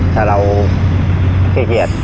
ถ้าเราเครียดเกลียด